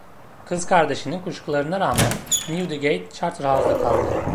Kız kardeşinin kuşkularına rağmen Newdigate Charterhouse'da kaldı.